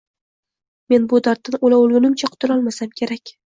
Men bu darddan o‘la-o‘lgunimcha qutulolmasam kerak